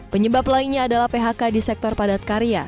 penyebab lainnya adalah phk di sektor padat karya